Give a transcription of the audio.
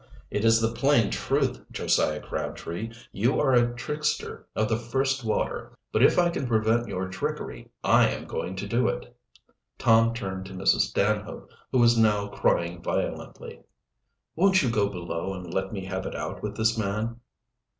"It is the plain truth. Josiah Crabtree, you are a trickster of the first water, but if I can prevent your trickery I am going to do it." Tom turned to Mrs. Stanhope, who was now crying violently. "Won't you go below and let me have it out with this man?"